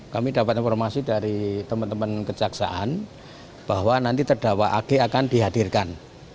kami dapat informasi dari teman teman kejaksaan bahwa nanti terdakwa ag akan dihadirkan